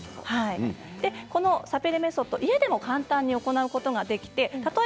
このサペレメソッド家でも簡単に行うことができます。